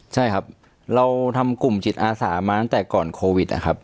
ใช่ครับเราทำกลุ่มจิตอาสามาตั้งแต่ก่อนโควิดนะครับ